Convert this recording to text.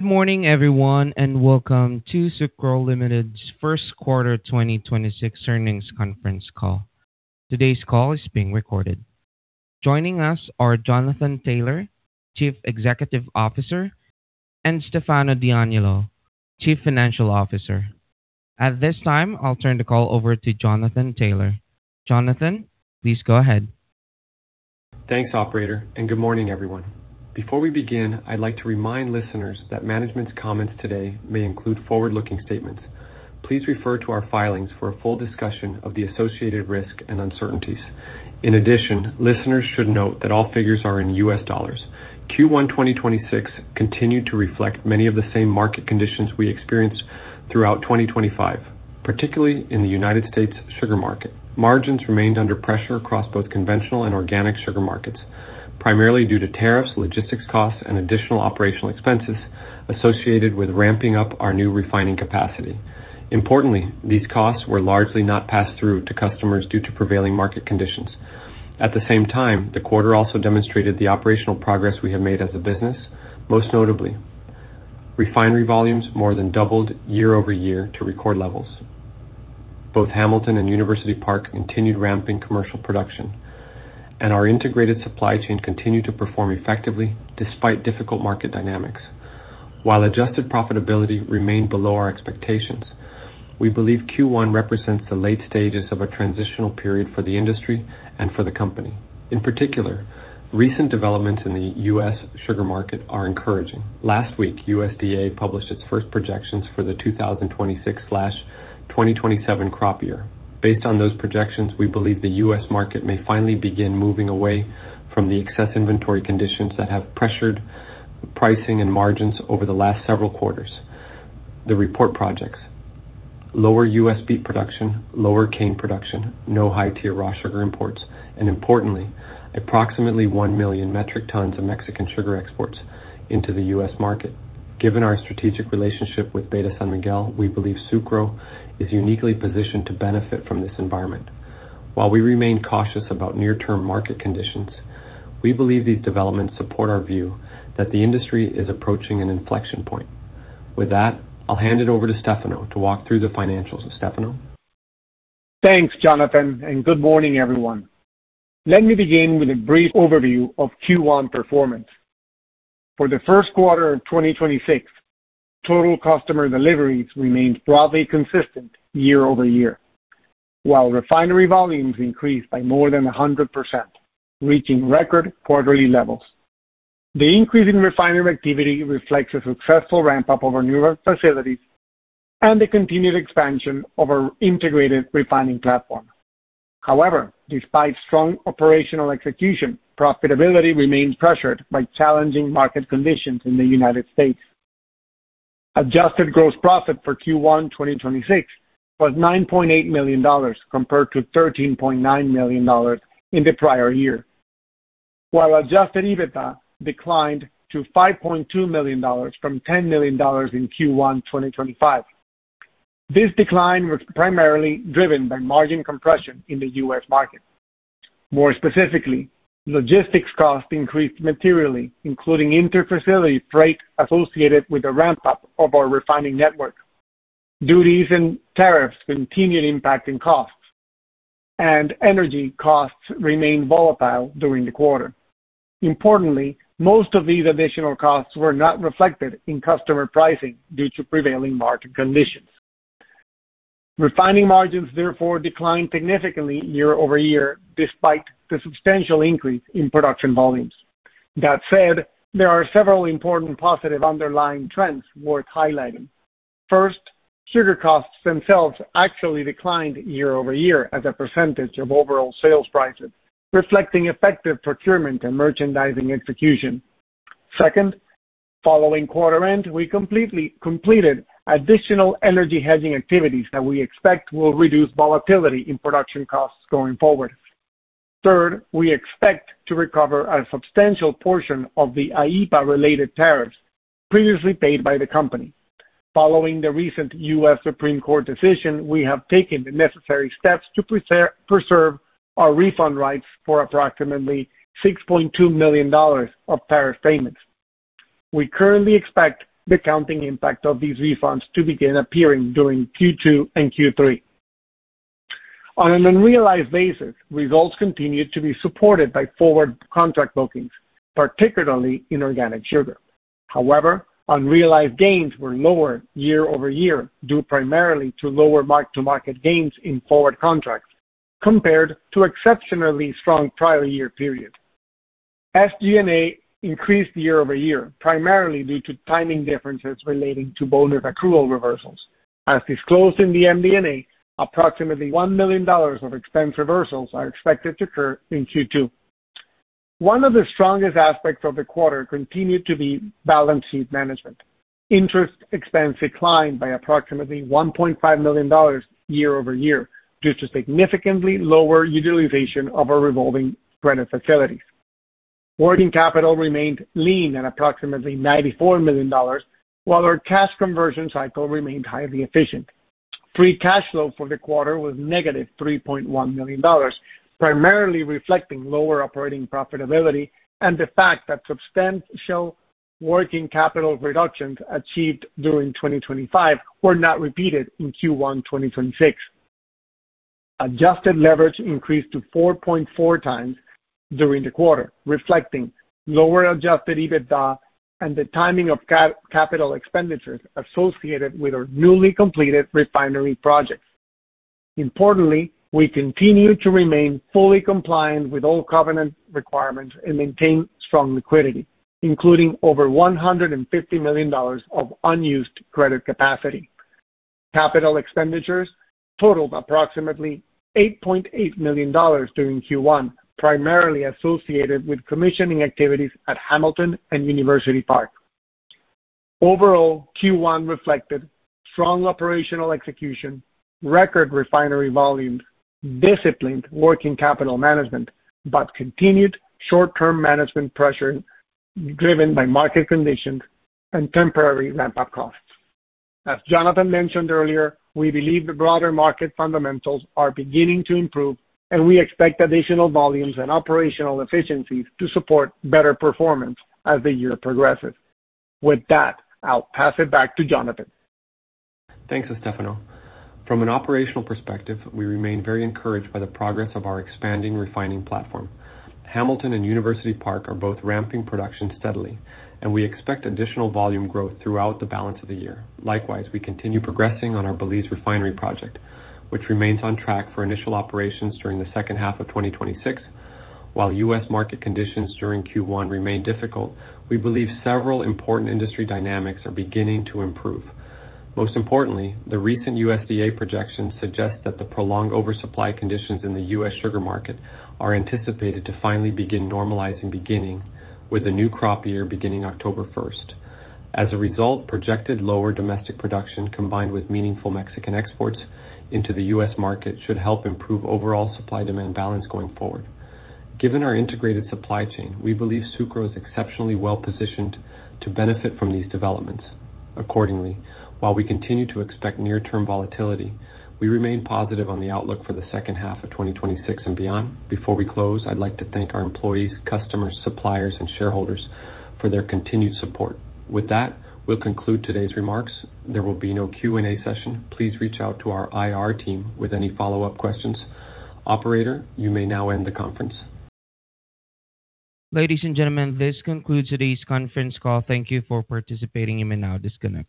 Good morning everyone, and welcome to Sucro Limited's First Quarter 2026 Earnings Conference Call. Today's call is being recorded. Joining us are Jonathan Taylor, Chief Executive Officer, and Stefano D'Aniello, Chief Financial Officer. At this time, I'll turn the call over to Jonathan Taylor. Jonathan, please go ahead. Thanks, operator. Good morning everyone. Before we begin, I'd like to remind listeners that management's comments today may include forward-looking statements. Please refer to our filings for a full discussion of the associated risk and uncertainties. Listeners should note that all figures are in U.S. dollars. Q1 2026 continued to reflect many of the same market conditions we experienced throughout 2025, particularly in the United States sugar market. Margins remained under pressure across both conventional and organic sugar markets, primarily due to tariffs, logistics costs, and additional operational expenses associated with ramping up our new refining capacity. Importantly, these costs were largely not passed through to customers due to prevailing market conditions. At the same time, the quarter also demonstrated the operational progress we have made as a business. Most notably, refinery volumes more than doubled year-over-year to record levels. Both Hamilton and University Park continued ramping commercial production, and our integrated supply chain continued to perform effectively despite difficult market dynamics. While adjusted profitability remained below our expectations, we believe Q1 represents the late stages of a transitional period for the industry and for the company. In particular, recent developments in the U.S. sugar market are encouraging. Last week, USDA published its first projections for the 2026/2027 crop year. Based on those projections, we believe the U.S. market may finally begin moving away from the excess inventory conditions that have pressured pricing and margins over the last several quarters. The report projects lower U.S. beet production, lower cane production, no high-tier raw sugar imports, and importantly, approximately 1 million metric tons of Mexican sugar exports into the U.S. market. Given our strategic relationship with Beta San Miguel, we believe Sucro is uniquely positioned to benefit from this environment. While we remain cautious about near-term market conditions, we believe these developments support our view that the industry is approaching an inflection point. With that, I'll hand it over to Stefano to walk through the financials. Stefano? Thanks, Jonathan. Good morning, everyone. Let me begin with a brief overview of Q1 performance. For the first quarter of 2026, total customer deliveries remained broadly consistent year-over-year, while refinery volumes increased by more than 100%, reaching record quarterly levels. The increase in refinery activity reflects a successful ramp-up of our newer facilities and the continued expansion of our integrated refining platform. However, despite strong operational execution, profitability remains pressured by challenging market conditions in the United States. Adjusted gross profit for Q1 2026 was $9.8 million, compared to $13.9 million in the prior year. While adjusted EBITDA declined to $5.2 million from $10 million in Q1 2025. This decline was primarily driven by margin compression in the U.S. market. More specifically, logistics costs increased materially, including interfacility freight associated with the ramp-up of our refining network. Duties and tariffs continued impacting costs. Energy costs remained volatile during the quarter. Importantly, most of these additional costs were not reflected in customer pricing due to prevailing market conditions. Refining margins therefore declined significantly year-over-year despite the substantial increase in production volumes. That said, there are several important positive underlying trends worth highlighting. First, sugar costs themselves actually declined year-over-year as a percentage of overall sales prices, reflecting effective procurement and merchandising execution. Second, following quarter end, we completed additional energy hedging activities that we expect will reduce volatility in production costs going forward. Third, we expect to recover a substantial portion of the IEEPA-related tariffs previously paid by the company. Following the recent U.S. Supreme Court decision, we have taken the necessary steps to preserve our refund rights for approximately $6.2 million of tariff payments. We currently expect the accounting impact of these refunds to begin appearing during Q2 and Q3. On an unrealized basis, results continued to be supported by forward contract bookings, particularly in organic sugar. Unrealized gains were lower year-over-year, due primarily to lower mark-to-market gains in forward contracts compared to exceptionally strong prior year period. SG&A increased year-over-year, primarily due to timing differences relating to bonus accrual reversals. As disclosed in the MD&A, approximately $1 million of expense reversals are expected to occur in Q2. One of the strongest aspects of the quarter continued to be balance sheet management. Interest expense declined by approximately $1.5 million year-over-year due to significantly lower utilization of our revolving credit facilities. Working capital remained lean at approximately $94 million, while our cash conversion cycle remained highly efficient. Free cash flow for the quarter was negative $3.1 million, primarily reflecting lower operating profitability and the fact that substantial working capital reductions achieved during 2025 were not repeated in Q1 2026. Adjusted leverage increased to 4.4x during the quarter, reflecting lower adjusted EBITDA and the timing of capital expenditures associated with our newly completed refinery projects. Importantly, we continue to remain fully compliant with all covenant requirements and maintain strong liquidity, including over $150 million of unused credit capacity. Capital expenditures totaled approximately $8.8 million during Q1, primarily associated with commissioning activities at Hamilton and University Park. Overall, Q1 reflected strong operational execution, record refinery volumes, disciplined working capital management, but continued short-term management pressure driven by market conditions and temporary ramp-up costs. As Jonathan mentioned earlier, we believe the broader market fundamentals are beginning to improve, and we expect additional volumes and operational efficiencies to support better performance as the year progresses. With that, I'll pass it back to Jonathan. Thanks, Stefano. From an operational perspective, we remain very encouraged by the progress of our expanding refining platform. Hamilton and University Park are both ramping production steadily. We expect additional volume growth throughout the balance of the year. Likewise, we continue progressing on our Belize refinery project, which remains on track for initial operations during the second half of 2026. While U.S. market conditions during Q1 remain difficult, we believe several important industry dynamics are beginning to improve. Most importantly, the recent USDA projections suggest that the prolonged oversupply conditions in the U.S. sugar market are anticipated to finally begin normalizing beginning with the new crop year beginning October 1st. As a result, projected lower domestic production, combined with meaningful Mexican exports into the U.S. market, should help improve overall supply-demand balance going forward. Given our integrated supply chain, we believe Sucro is exceptionally well-positioned to benefit from these developments. While we continue to expect near-term volatility, we remain positive on the outlook for the second half of 2026 and beyond. Before we close, I'd like to thank our employees, customers, suppliers, and shareholders for their continued support. With that, we'll conclude today's remarks. There will be no Q&A session. Please reach out to our IR team with any follow-up questions. Operator, you may now end the conference. Ladies and gentlemen, this concludes today's conference call. Thank you for participating. You may now disconnect.